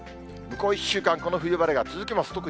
向こう１週間この冬晴れが続きます。